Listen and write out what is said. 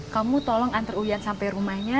kamu tolong antar uyan sampai rumahnya